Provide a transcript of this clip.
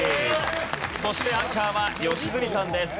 そしてアンカーは良純さんです。